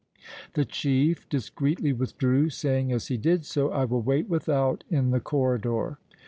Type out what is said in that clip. The chief discreetly withdrew, saying as he did so: "I will wait without, in the corridor."